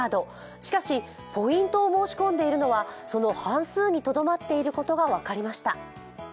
しかしポイントを申し込んでいるのはその半数にとどまっていることが分かりました